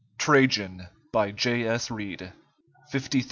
TRAJAN By J. S. REID, Litt.D.